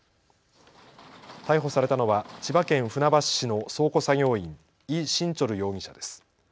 逮捕されたのは千葉県船橋市の倉庫作業員、李臣哲容疑者です。